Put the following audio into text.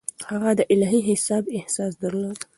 هغه د الهي حساب احساس درلود.